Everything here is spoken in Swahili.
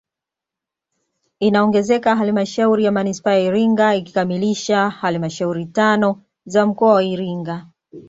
Inaongezeka halmashauri ya manispaa ya Iringa ikikamilisha halmashauri tano za mkoa wa Iringa